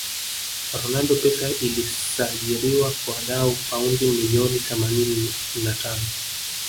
ronaldo pesa ilisajiriwa kwa dau paundi milioni themanini ma tano